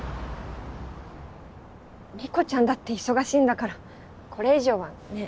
理子ちゃんだって忙しいんだからこれ以上はね。